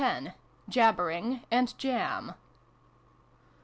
JABBERING AND JAM.